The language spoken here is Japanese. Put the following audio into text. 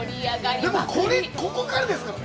でもここからですからね。